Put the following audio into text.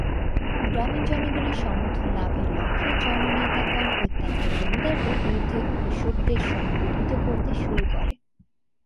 গ্রামীণ জনগণের সমর্থন লাভের লক্ষ্যে জননেতাগণ অত্যাচারী জমিদারদের বিরুদ্ধে কৃষকদের সংগঠিত করতে শুরু করে।